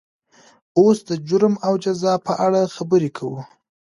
اوس د جرم او جزا په اړه خبرې کوو.